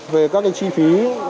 về các chi phí